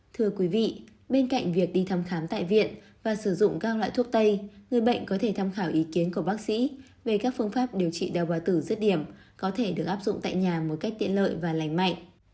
thưa quý vị bên cạnh việc đi thăm khám tại viện và sử dụng các loại thuốc tây người bệnh có thể tham khảo ý kiến của bác sĩ về các phương pháp điều trị đeo bà tử rứt điểm có thể được áp dụng tại nhà một cách tiện lợi và lành mạnh